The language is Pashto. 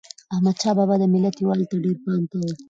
احمدشاه بابا د ملت یووالي ته ډېر پام کاوه.